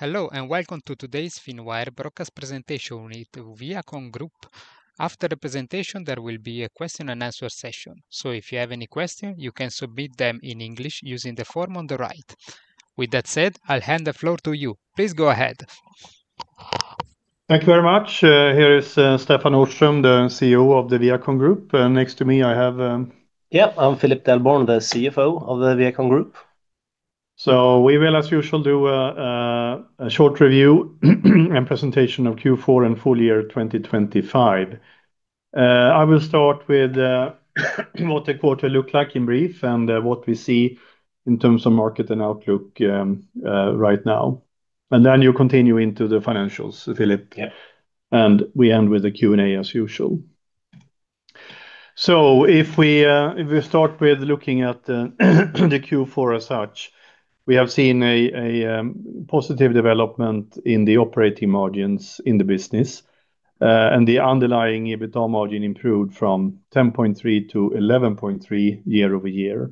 Hello, welcome to today's Finwire Broadcast presentation with ViaCon Group. After the presentation, there will be a question and answer session. If you have any questions, you can submit them in English using the form on the right. That said, I'll hand the floor to you. Please go ahead. Thank you very much. Here is Stefan Nordström, the CEO of the ViaCon Group, and next to me, I have. Yeah, I'm Philip Delborn, the CFO of the ViaCon Group. We will, as usual, do a short review and presentation of Q4 and full year 2025. I will start with what the quarter looked like in brief and what we see in terms of market and outlook right now. You continue into the financials, Philip. Yeah. We end with the Q&A as usual. If we start with looking at the Q4 as such, we have seen a positive development in the operating margins in the business, and the underlying EBITDA margin improved from 10.3% to 11.3% year-over-year.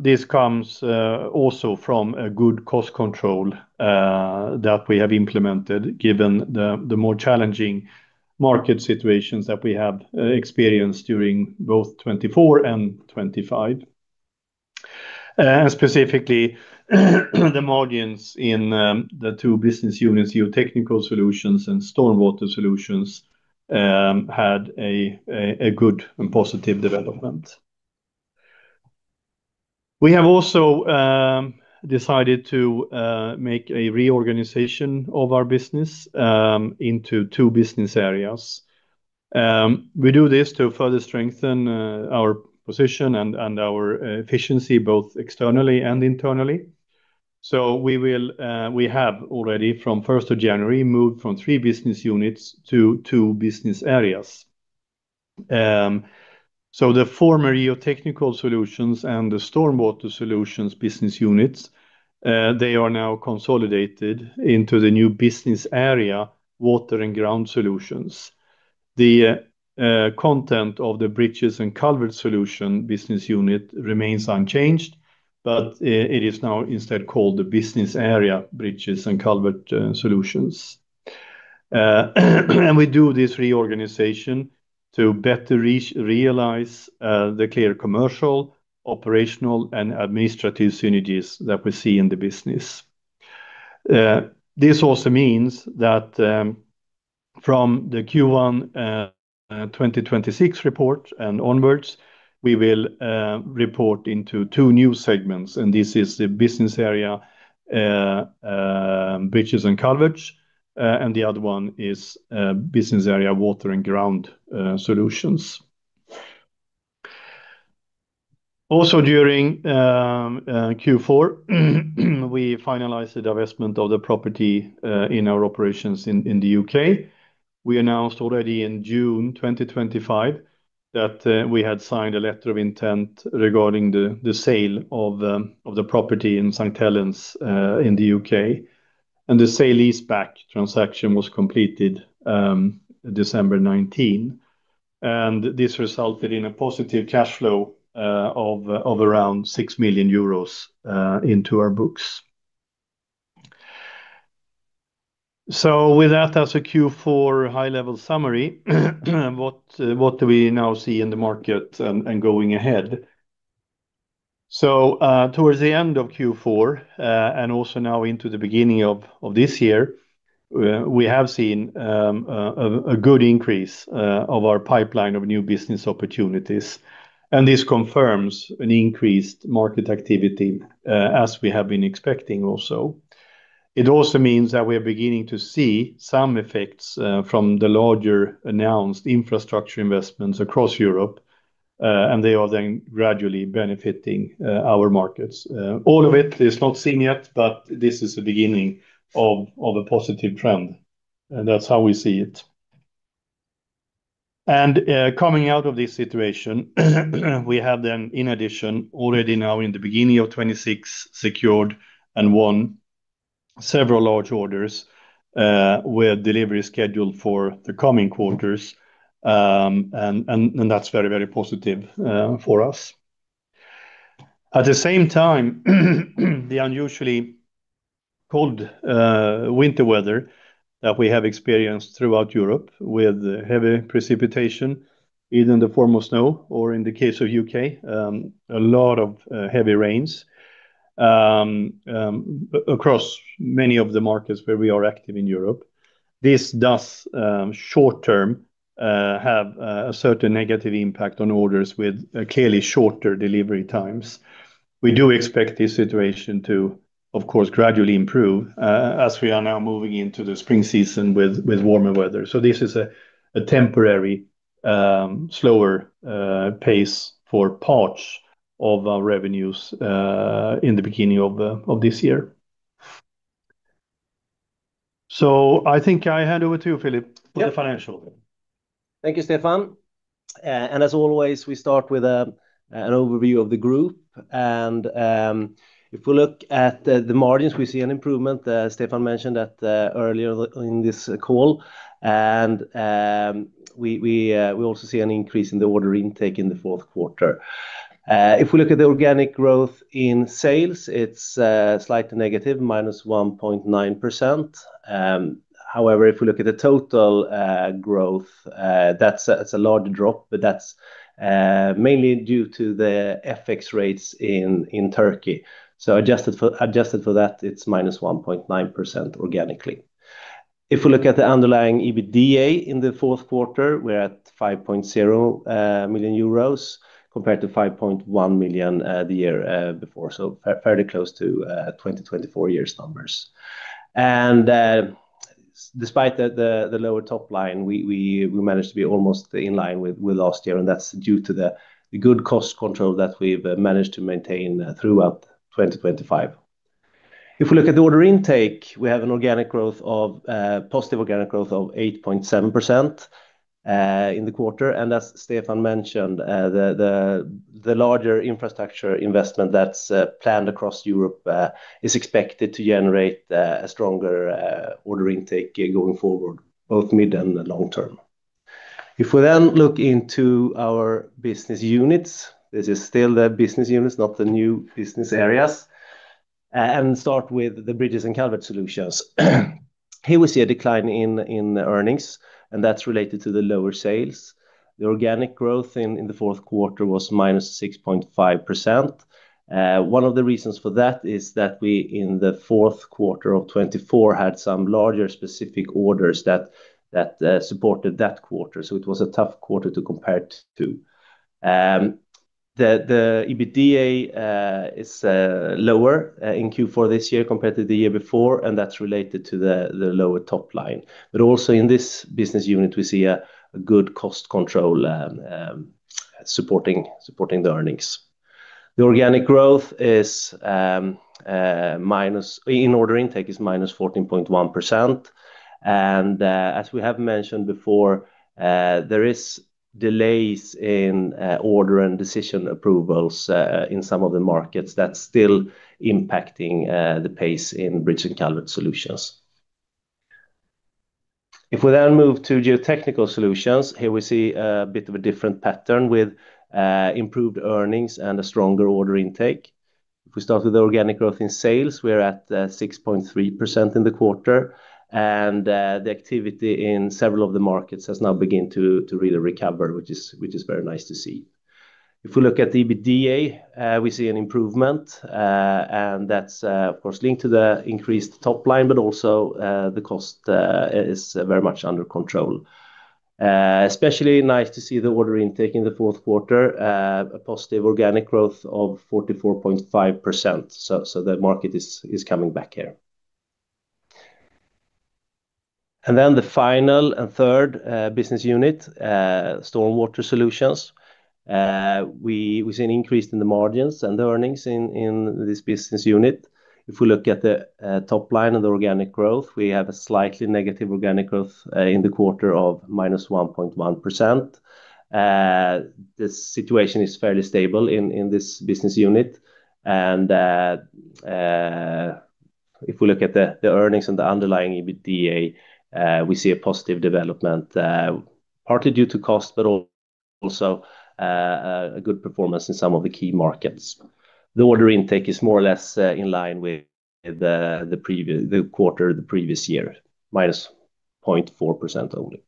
This comes also from a good cost control that we have implemented, given the more challenging market situations that we have experienced during both 2024 and 2025. Specifically, the margins in the two business units, GeoTechnical Solutions and StormWater Solutions, had a good and positive development. We have also decided to make a reorganization of our business into two business areas. We do this to further strengthen our position and our efficiency, both externally and internally. We have already, from first of January, moved from three business units to two business areas. The former GeoTechnical Solutions and the StormWater Solutions business units, they are now consolidated into the new business area, Water & Ground Solutions. The content of the Bridges & Culverts Solutions business unit remains unchanged, but it is now instead called the Business Area Bridges & Culverts Solutions. We do this reorganization to better realize the clear commercial, operational, and administrative synergies that we see in the business. This also means that from the Q1 2026 report and onwards, we will report into two new segments, and this is the business area Bridges & Culverts, and the other one is business area Water & Ground Solutions. Also, during Q4, we finalized the divestment of the property in our operations in the U.K. We announced already in June 2025, that we had signed a letter of intent regarding the sale of the property in St Helens in the U.K., and the sale leaseback transaction was completed December 19. This resulted in a positive cash flow of around 6 million euros into our books. With that as a Q4 high-level summary, what do we now see in the market and going ahead? Towards the end of Q4, and also now into the beginning of this year, we have seen a good increase of our pipeline of new business opportunities, and this confirms an increased market activity as we have been expecting also. It also means that we are beginning to see some effects from the larger announced infrastructure investments across Europe, and they are then gradually benefiting our markets. All of it is not seen yet, but this is the beginning of a positive trend, and that's how we see it. Coming out of this situation, we have then, in addition, already now in the beginning of 2026, secured and won several large orders with delivery scheduled for the coming quarters. And that's very, very positive for us. At the same time, the unusually cold winter weather that we have experienced throughout Europe, with heavy precipitation, either in the form of snow or in the case of U.K., a lot of heavy rains across many of the markets where we are active in Europe. This does short term have a certain negative impact on orders with clearly shorter delivery times. We do expect this situation to, of course, gradually improve as we are now moving into the spring season with warmer weather. This is a temporary slower pace for parts of our revenues in the beginning of this year. I think I hand over to you, Philip. Yeah. For the financial. Thank you, Stefan. As always, we start with an overview of the group. If we look at the margins, we see an improvement, Stefan mentioned that earlier in this call. We also see an increase in the order intake in the fourth quarter. If we look at the organic growth in sales, it's slightly negative, -1.9%. If we look at the total growth, that's a large drop, but that's mainly due to the FX rates in Turkey. Adjusted for that, it's -1.9% organically. If we look at the underlying EBITDA in the fourth quarter, we're at 5.0 million euros, compared to 5.1 million the year before, so fairly close to 2024 year's numbers. Despite the lower top line, we managed to be almost in line with last year, and that's due to the good cost control that we've managed to maintain throughout 2025. If we look at the order intake, we have an organic growth of positive organic growth of 8.7% in the quarter. As Stefan mentioned, the larger infrastructure investment that's planned across Europe, is expected to generate a stronger order intake going forward, both mid and the long term. We look into our business units, this is still the business units, not the new business areas. Start with the Bridges & Culverts Solutions. Here we see a decline in earnings, and that's related to the lower sales. The organic growth in the fourth quarter was -6.5%. One of the reasons for that is that we, in the fourth quarter of 2024, had some larger specific orders that supported that quarter. It was a tough quarter to compare it to. The EBITDA is lower in Q4 this year compared to the year before, and that's related to the lower top line. Also in this business unit, we see a good cost control supporting the earnings. The organic growth is minus. In order intake is minus 14.1%. As we have mentioned before, there is delays in order and decision approvals in some of the markets that's still impacting the pace in Bridges & Culverts Solutions. If we then move to GeoTechnical Solutions, here we see a bit of a different pattern with improved earnings and a stronger order intake. If we start with the organic growth in sales, we are at 6.3% in the quarter, and the activity in several of the markets has now begun to really recover, which is very nice to see. If we look at the EBITDA, we see an improvement, and that's of course, linked to the increased top line, but also the cost is very much under control. Especially nice to see the order intake in the fourth quarter, a positive organic growth of 44.5%. The final and third business unit, StormWater Solutions. We see an increase in the margins and the earnings in this business unit. If we look at the top line and the organic growth, we have a slightly negative organic growth in the quarter of minus 1.1%. The situation is fairly stable in this business unit, and if we look at the earnings and the underlying EBITDA, we see a positive development, partly due to cost, but also a good performance in some of the key markets. The order intake is more or less in line with the quarter, the previous year, -0.4%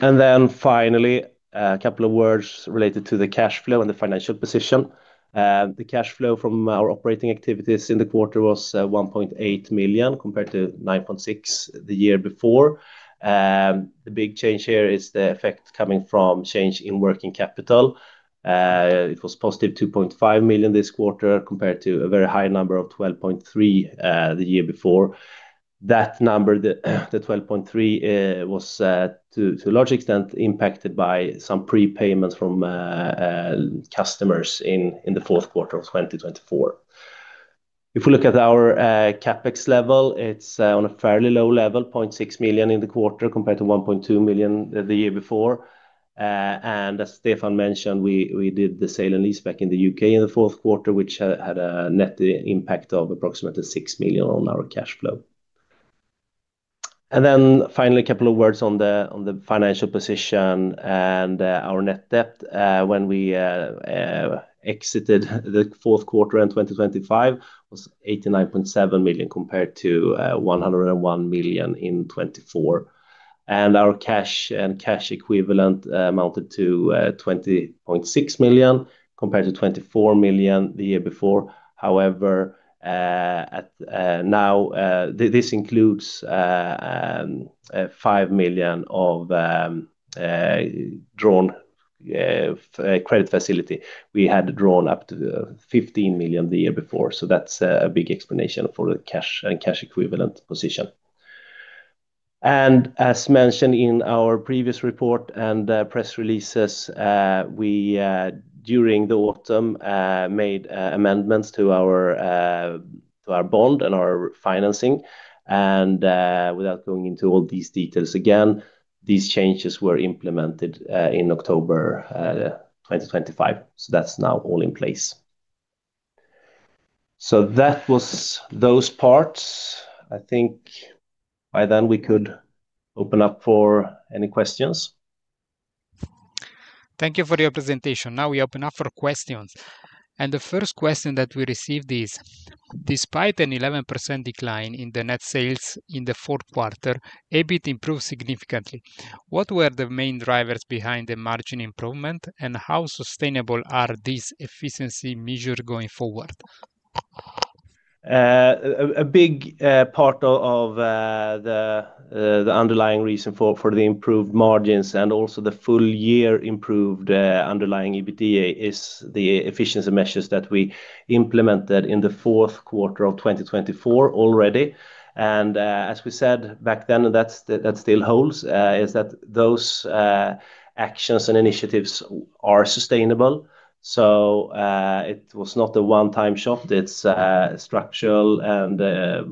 only. Finally, a couple of words related to the cash flow and the financial position. The cash flow from our operating activities in the quarter was 1.8 million, compared to 9.6 million the year before. The big change here is the effect coming from change in working capital. It was positive 2.5 million this quarter, compared to a very high number of 12.3 million the year before. That number, 12.3 million, was to a large extent impacted by some prepayments from customers in the fourth quarter of 2024. If we look at our CapEx level, it's on a fairly low level, 0.6 million in the quarter, compared to 1.2 million the year before. As Stefan mentioned, we did the sale leaseback in the U.K. in the fourth quarter, which had a net impact of approximately 6 million on our cash flow. Finally, a couple of words on the financial position and our net debt. When we exited the fourth quarter in 2025, was 89.7 million, compared to 101 million in 2024. Our cash and cash equivalent amounted to 20.6 million, compared to 24 million the year before. However, at now, this includes 5 million of drawn credit facility. We had drawn up to 15 million the year before, that's a big explanation for the cash and cash equivalent position. As mentioned in our previous report and press releases, we during the autumn made amendments to our to our bond and our financing. Without going into all these details, again, these changes were implemented in October 2025. That's now all in place. That was those parts. I think by then we could open up for any questions. Thank you for your presentation. Now we open up for questions. The first question that we received is: Despite an 11% decline in the net sales in the fourth quarter, EBIT improved significantly. What were the main drivers behind the margin improvement, and how sustainable are these efficiency measures going forward? A big part of the underlying reason for the improved margins and also the full year improved underlying EBITDA is the efficiency measures that we implemented in the fourth quarter of 2024 already. As we said back then, that still holds, is that those actions and initiatives are sustainable. It was not a one-time shot. It is structural and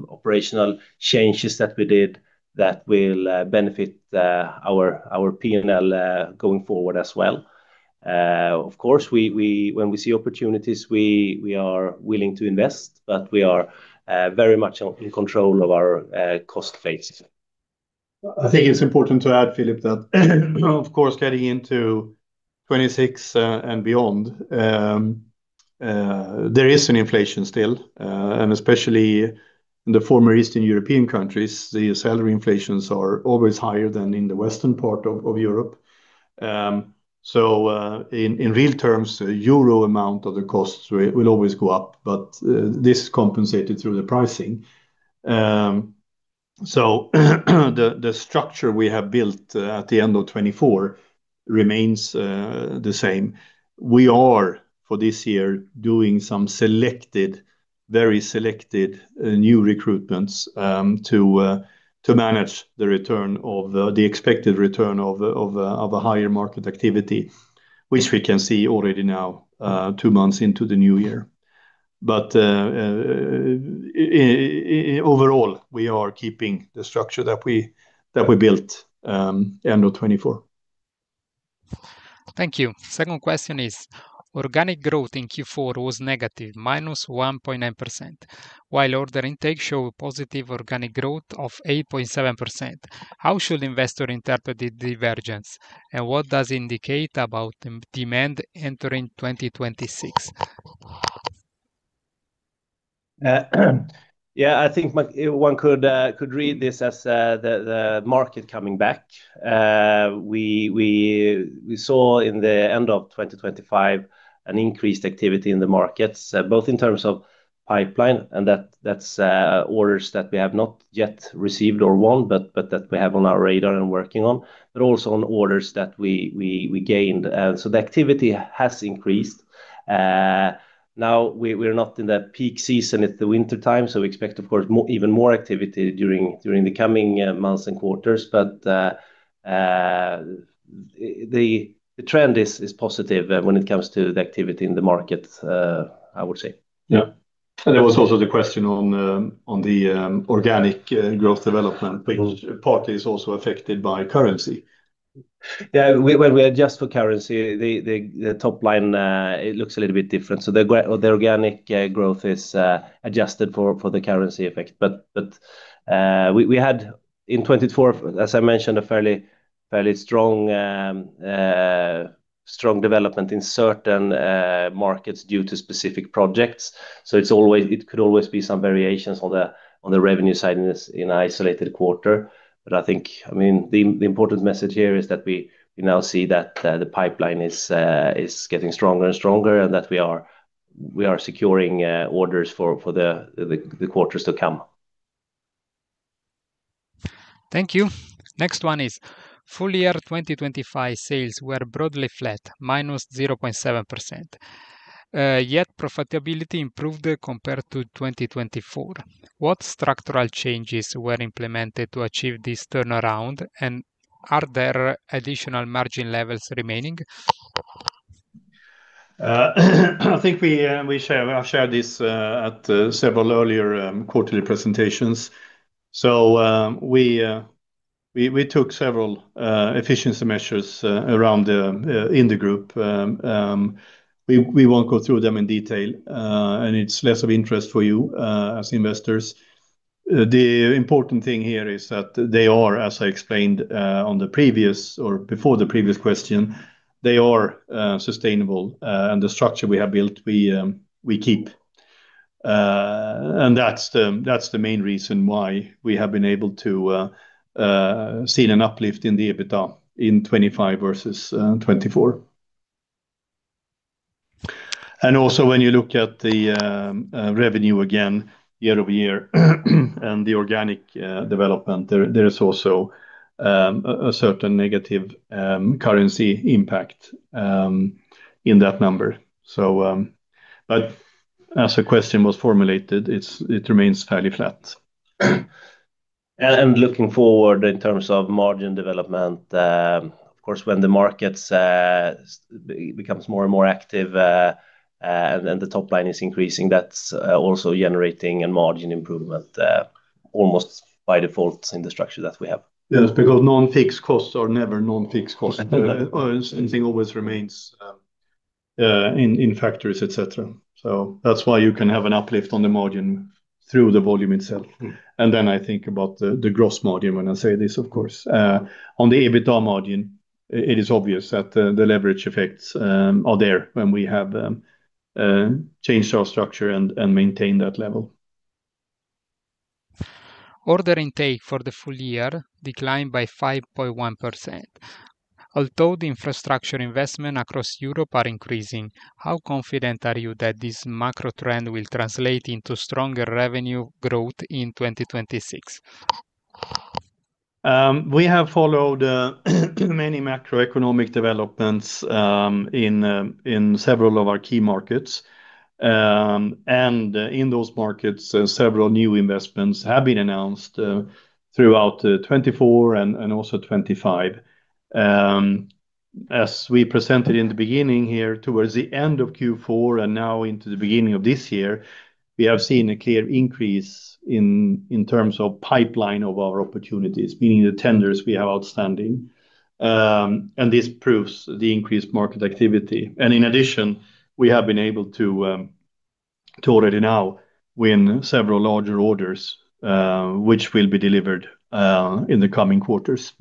operational changes that we did that will benefit our P&L going forward as well. Of course, when we see opportunities, we are willing to invest, but we are very much in control of our cost base. I think it's important to add, Philip, that, of course, getting into 2026, beyond, there is an inflation still. Especially in the former Eastern European countries, the salary inflations are always higher than in the western part of Europe. In real terms, EUR amount of the costs will always go up, but this compensated through the pricing. The structure we have built, at the end of 2024 remains the same. We are, for this year, doing some selected, very selected, new recruitments, to manage the expected return of a higher market activity, which we can see already now, two months into the new year. Overall, we are keeping the structure that we, that we built, end of 24. Thank you. Second question is, organic growth in Q4 was negative, -1.9%, while order intake show a positive organic growth of 8.7%. How should investor interpret the divergence, and what does it indicate about the demand entering 2026? Yeah, I think one could read this as the market coming back. We saw in the end of 2025, an increased activity in the markets, both in terms of pipeline, and that's orders that we have not yet received or won, but that we have on our radar and working on, but also on orders that we gained. The activity has increased. Now, we're not in the peak season, it's the wintertime, so we expect, of course, more, even more activity during the coming months and quarters. The trend is positive when it comes to the activity in the market, I would say. Yeah. There was also the question on the organic growth development, which partly is also affected by currency. Yeah, when we adjust for currency, the top line, it looks a little bit different. The organic growth is adjusted for the currency effect. We had in 2024, as I mentioned, a fairly strong development in certain markets due to specific projects. It could always be some variations on the revenue side in an isolated quarter. I think, I mean, the important message here is that we now see that the pipeline is getting stronger and stronger and that we are securing orders for the quarters to come. Thank you. Next one is, full year 2025 sales were broadly flat, -0.7%. Profitability improved compared to 2024. What structural changes were implemented to achieve this turnaround, and are there additional margin levels remaining? I think I've shared this at several earlier quarterly presentations. We took several efficiency measures around the in the group. We won't go through them in detail, and it's less of interest for you as investors. The important thing here is that they are, as I explained on the previous or before the previous question, they are sustainable, and the structure we have built, we keep. That's the main reason why we have been able to see an uplift in the EBITDA in 2025 versus 2024. When you look at the revenue again, year-over-year, and the organic development, there is also a certain negative currency impact in that number. As the question was formulated, it remains fairly flat. Looking forward in terms of margin development, of course, when the markets becomes more and more active, and the top line is increasing, that's also generating a margin improvement almost by default in the structure that we have. Non-fixed costs are never non-fixed costs. Something always remains in factories, et cetera. That's why you can have an uplift on the margin through the volume itself. Mm. I think about the gross margin when I say this, of course. On the EBITDA margin, it is obvious that the leverage effects are there when we have changed our structure and maintained that level. Order intake for the full year declined by 5.1%. Although the infrastructure investment across Europe are increasing, how confident are you that this macro trend will translate into stronger revenue growth in 2026? We have followed many macroeconomic developments in several of our key markets. In those markets, several new investments have been announced throughout 2024 and also 2025. As we presented in the beginning here, towards the end of Q4 and now into the beginning of this year, we have seen a clear increase in terms of pipeline of our opportunities, meaning the tenders we have outstanding. This proves the increased market activity. In addition, we have been able to already now win several larger orders, which will be delivered in the coming quarters.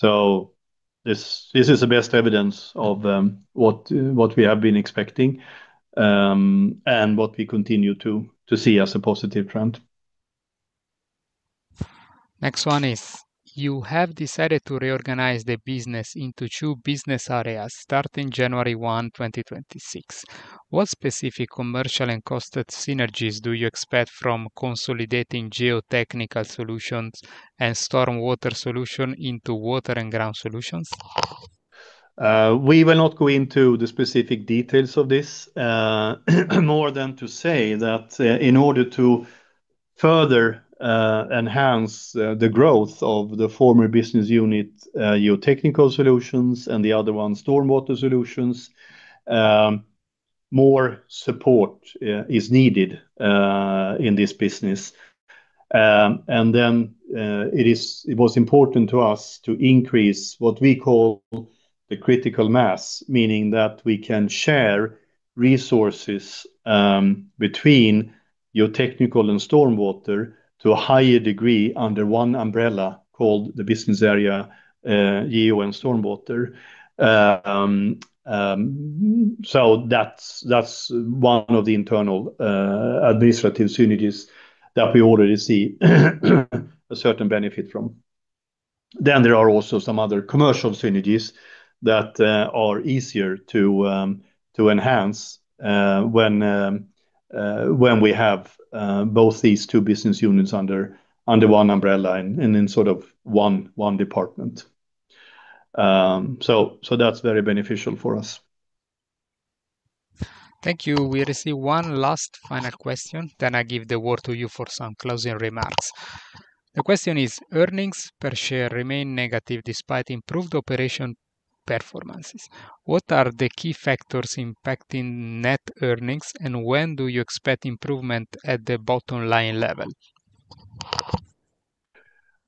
This is the best evidence of what we have been expecting, and what we continue to see as a positive trend. Next one is: You have decided to reorganize the business into two business areas starting January 1, 2026. What specific commercial and cost synergies do you expect from consolidating GeoTechnical Solutions and StormWater Solutions into Water & Ground Solutions? We will not go into the specific details of this, more than to say that, in order to further enhance the growth of the former business unit, GeoTechnical Solutions and the other one, StormWater Solutions, more support is needed in this business. Then, it was important to us to increase what we call the critical mass, meaning that we can share resources between GeoTechnical and StormWater to a higher degree under one umbrella, called the business area, Geo and StormWater. That's one of the internal administrative synergies that we already see a certain benefit from. There are also some other commercial synergies that are easier to enhance when we have both these two business units under one umbrella and in sort of one department. That's very beneficial for us. Thank you. We receive one last final question, then I give the word to you for some closing remarks. The question is, earnings per share remain negative despite improved operation performances. What are the key factors impacting net earnings, and when do you expect improvement at the bottom line level?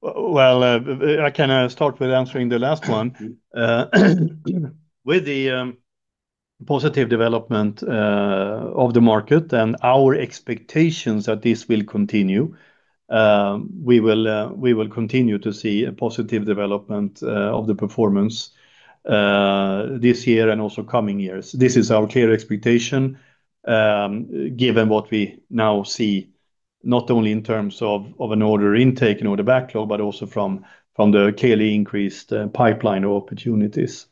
Well, I can start with answering the last one. With the positive development of the market and our expectations that this will continue, we will continue to see a positive development of the performance this year and also coming years. This is our clear expectation, given what we now see, not only in terms of an order intake and order backlog, but also from the clearly increased pipeline of opportunities.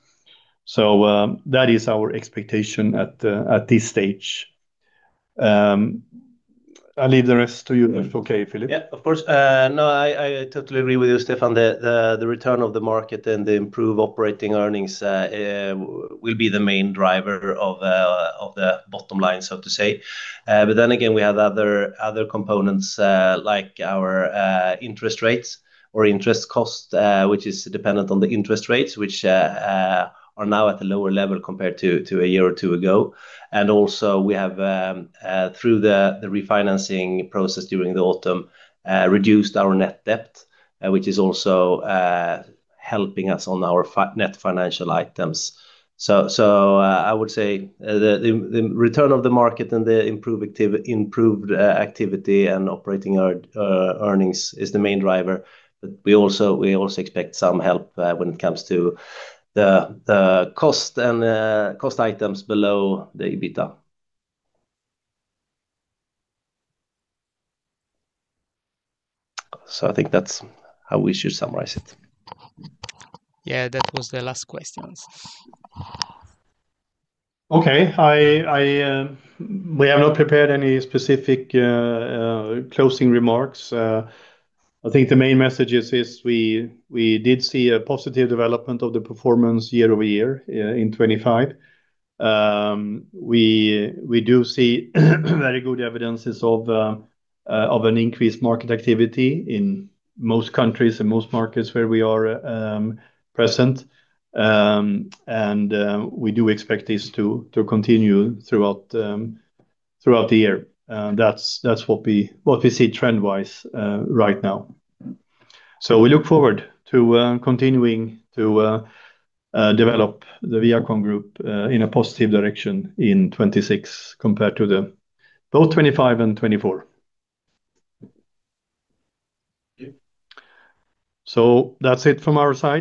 That is our expectation at this stage. I'll leave the rest to you, if okay, Philip. Yeah, of course. No, I totally agree with you, Stefan. The return of the market and the improved operating earnings will be the main driver of the bottom line, so to say. Again, we have other components like our interest rates or interest cost, which is dependent on the interest rates, which are now at a lower level compared to a year or two ago. Also, we have through the refinancing process during the autumn, reduced our net debt, which is also helping us on our net financial items. I would say the return of the market and the improved activity and operating earnings is the main driver, but we also expect some help when it comes to the cost and cost items below the EBITDA. I think that's how we should summarize it. Yeah, that was the last question. Okay. We have not prepared any specific closing remarks. I think the main message is we did see a positive development of the performance year-over-year in 2025. We do see very good evidences of an increased market activity in most countries and most markets where we are present. We do expect this to continue throughout the year. That's what we see trend-wise right now. We look forward to continuing to develop the ViaCon Group in a positive direction in 2026, compared to the both 2025 and 2024. Yeah. That's it from our side